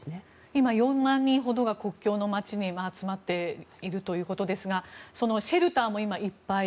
今、４万人ほどが国境の街に集まっているそうですがシェルターも一杯。